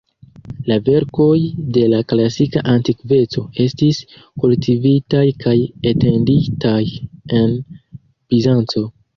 La verkoj de la klasika antikveco estis kultivitaj kaj etenditaj en Bizanco.